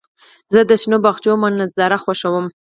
زه د شنو باغچو منظر خوښوم.